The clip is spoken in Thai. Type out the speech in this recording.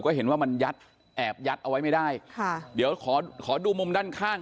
ก็เห็นว่ามันยัดแอบยัดเอาไว้ไม่ได้ค่ะเดี๋ยวขอขอดูมุมด้านข้าง